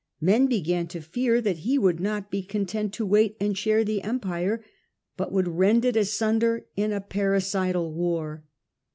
Men began to fear that he would not be content to wait and share the Empire, but would rend it asunder in a parricidal war.